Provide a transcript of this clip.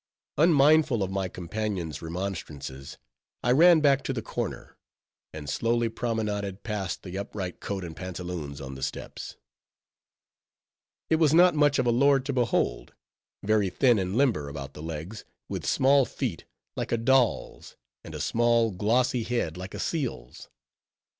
Unmindful of my companion's remonstrances, I ran back to the corner; and slowly promenaded past the upright coat and pantaloons on the steps. It was not much of a lord to behold; very thin and limber about the legs, with small feet like a doll's, and a small, glossy head like a seal's.